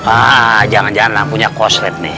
ah jangan jangan punya koslet nih